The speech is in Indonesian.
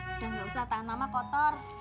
udah gak usah tahan lama kotor